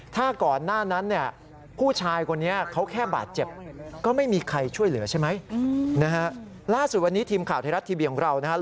ถ้าก่อนหน้านั้นเนี่ย